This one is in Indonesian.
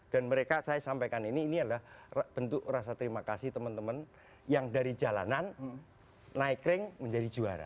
mereka saya sampaikan ini ini adalah bentuk rasa terima kasih teman teman yang dari jalanan naik ring menjadi juara